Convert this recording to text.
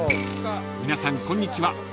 ［皆さんこんにちは